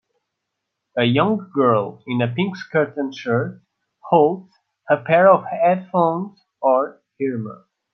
a young girl in a pink skirt and shirt holds a pair of headphones or earmuffs.